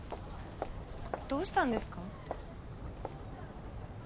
どうしたんですか？